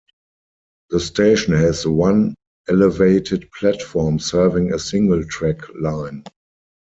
The station has one elevated platform serving a single-track line.